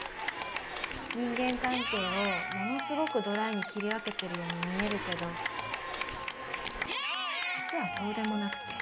人間関係をものすごくドライに切り分けてるように見えるけど実はそうでもなくて。